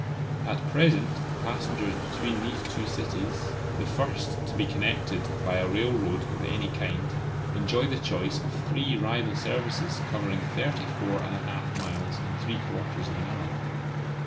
At present passengers between these two cities the first to be connected by a railroad of any kind enjoy the choice of three rival services covering 34 1/2 miles in three quarters of an hour.